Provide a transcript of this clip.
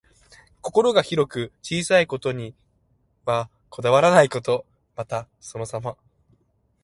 心が広く、小さいことにはこだわらないこと。また、そのさま。